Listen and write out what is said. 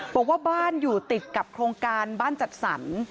บอกว่าบ้านอยู่ติดกับโครงการบ้านจัดสรร